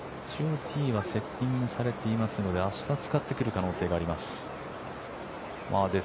ティーはセッティングされていますので明日使ってくる可能性があります。